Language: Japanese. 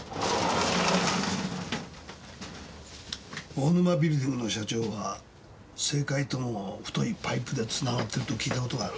大沼ビルディングの社長は政界とも太いパイプで繋がっていると聞いた事がある。